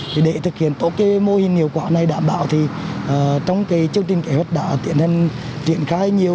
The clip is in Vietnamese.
khi phát hiện vụ việc gây dối đánh nhau có sử dụng vũ khí gây mất an ninh trật tự